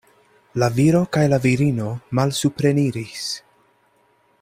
La viro kaj la virino malsupreniris.